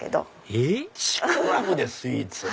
えっ？ちくわぶでスイーツ？